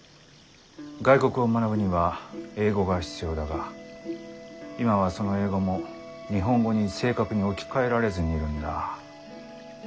外国を学ぶには英語が必要だが今はその英語も日本語に正確に置き換えられずにいるんだ。